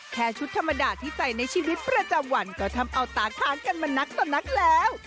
แค่ชุดธรรมดาที่ใส่ในชีวิตประจำวันก็ทำเอาตาค้างกันมานักต่อนักแล้ว